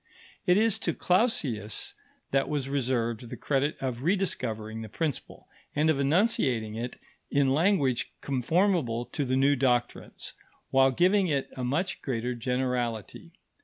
It is to Clausius that was reserved the credit of rediscovering the principle, and of enunciating it in language conformable to the new doctrines, while giving it a much greater generality.